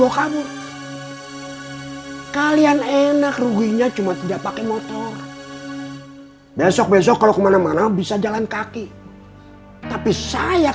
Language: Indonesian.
sampai jumpa di video selanjutnya